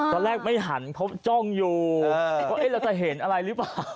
ตอนแรกไม่หันเพราะจ้องอยู่ว่าเราจะเห็นอะไรหรือเปล่า